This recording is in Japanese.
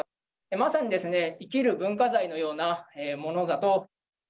まさにですね、生きる文化財のようなものだと。